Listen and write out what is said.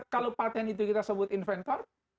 kalau patent itu kita sebut inventor